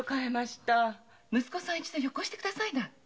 息子さん一度寄こして下さいな。